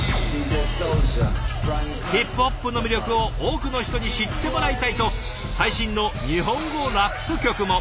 ヒップホップの魅力を多くの人に知ってもらいたいと最新の日本語ラップ曲も。